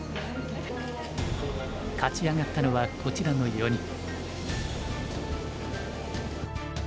勝ち上がったのはこちらの４人。